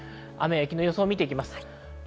雨の予想を見ていきます。